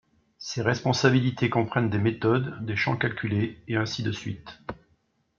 Ces responsabilités comprennent des méthodes, des champs calculés, et ainsi de suite.